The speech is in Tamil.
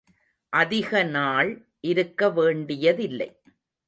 அதிகநாள் இருக்க வேண்டியதில்லை.